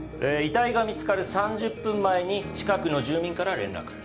遺体が見つかる３０分前に近くの住民から連絡。